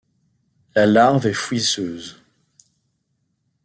La larve est fouisseuse.